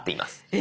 え！